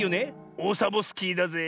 オサボスキーだぜえ。